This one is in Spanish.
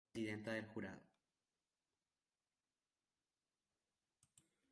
Un "thriller" existencial", señaló Rosa Montero, presidenta del jurado.